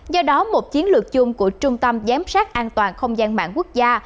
do đó một chiến lược chung của trung tâm giám sát an toàn không gian mạng quốc gia